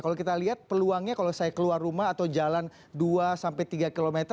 kalau kita lihat peluangnya kalau saya keluar rumah atau jalan dua sampai tiga km